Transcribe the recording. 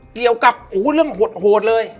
เกี่ยวกับเรื่องโหดเลย